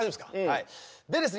はいでですね